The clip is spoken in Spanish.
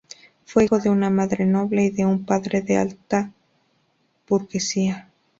Fue hijo de una madre noble y de un padre de la alta burguesía.